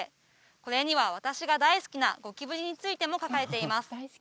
これには私が大好きなゴキブリについても書かれています